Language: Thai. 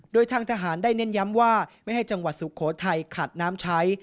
โดยทางทหารได้เน้นย้ำว่าไม่ให้จังหวัดสุโขทัยขาดน้ำใช้